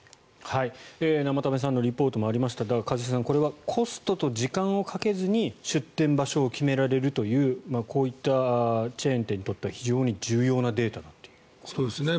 生田目さんのリポートもありましたが一茂さんこれはコストと時間をかけずに出店場所を決められるというこういったチェーン店にとっては非常に重要なデータだということですね。